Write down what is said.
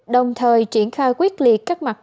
đồng thời triển khai quyết liệt các mặt trận